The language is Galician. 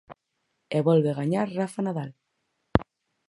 E volve gañar Rafa Nadal.